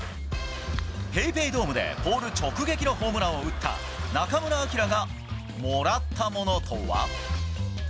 ペイペイドームでポール直撃のホームランを打った中村晃がもらったものとは？